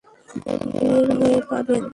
বের হয়ে পাবেন।